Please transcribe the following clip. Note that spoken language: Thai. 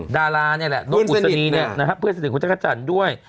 ดาราเนี่ยแหละนกอุศนีนะฮะเพื่อสนิทคุณชักกะจันทร์ด้วย